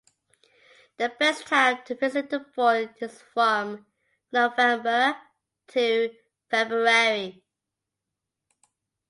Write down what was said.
The best time to visit the fort is from November to February.